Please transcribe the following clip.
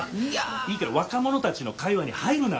いいから若者たちの会話に入るな！